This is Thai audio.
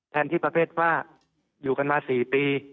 แทนที่ประเภทว่าอยู่กันมา๔ปี